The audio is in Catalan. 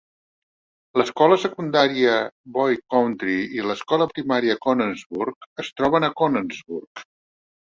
L'escola secundària Boyd County i l'escola primària Cannonsburg es troben a Cannonsburg.